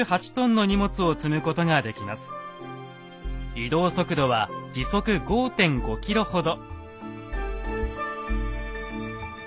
移動速度は時速５．５ｋｍほど。